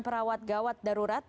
selamat malam bu ayu